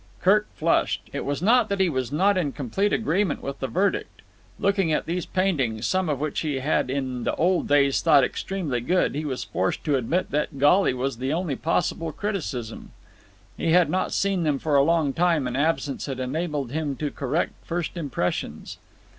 Kirk flushed. It was not that he was not in complete agreement with the verdict. Looking at these paintings, some of which he had in the old days thought extremely good, he was forced to admit that "Golly" was the only possible criticism. He had not seen them for a long time, and absence had enabled him to correct first impressions.